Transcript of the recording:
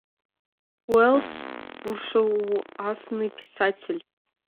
Уэллс — буржуазный писатель.